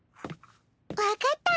分かった。